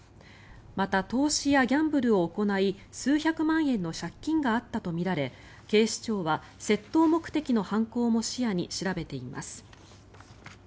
また、投資やギャンブルを行い数百万円の借金があったとみられ警視庁は窃盗目的の犯行も視野に調べています。